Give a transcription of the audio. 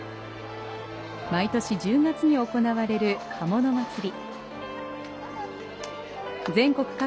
毎年１０月に行われる刃物祭り。